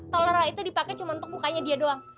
telur laura itu dipakai cuma untuk mukanya dia doang